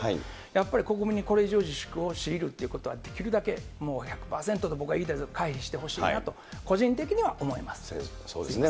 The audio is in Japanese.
やっぱり国民にこれ以上自粛を強いるということは、できるだけ１００％僕は言いたいけど、回避してほしいなと個人的そうですね、